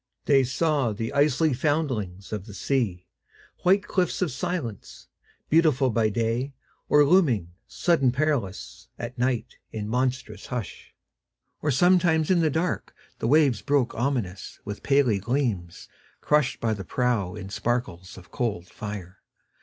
They saw the icy foundlings of the sea, White cliffs of silence, beautiful by day, Or looming, sudden perilous, at nightIn monstrous hush; or sometimes in the darkThe waves broke ominous with paly gleamsCrushed by the prow in sparkles of cold fire.